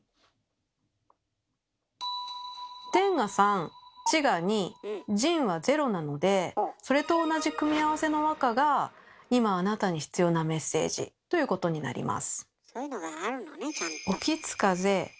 「天」が３「地」が２「人」はゼロなのでそれと同じ組み合わせの和歌が今あなたに必要なメッセージということになります。